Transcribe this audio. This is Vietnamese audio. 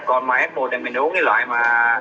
còn mà f một thì mình nấu cái loại mà